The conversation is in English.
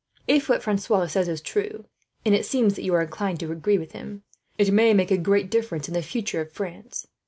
If what Francois says is true and it seems that you are inclined to agree with him it may make a great difference in the future of France.